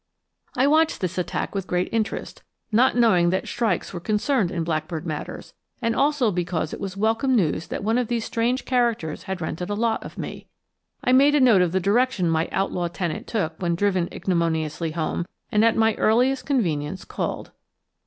I watched this attack with great interest, not knowing that shrikes were concerned in blackbird matters, and also because it was welcome news that one of these strange characters had rented a lot of me. I made a note of the direction my outlaw tenant took when driven ignominiously home, and at my earliest convenience called.